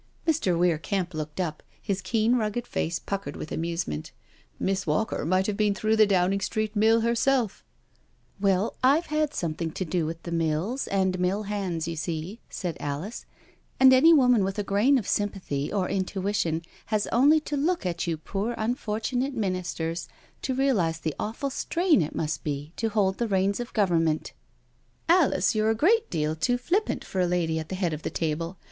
Mr. Weir Kemp looked up, his keen, rugged face puckered with amusement :" Miss Walker might have been through the Downing Street mill herself I "" Welly I've had something to do with mills and mill hands, you see," said Alice, " and any woman with a grain of sympathy or intuition has only to look at you poor unfortunate Ministers to realise the awful strain it must be to hold the reins of Government "" Alice, you're a great deal too flippant for a lady at the head of the table.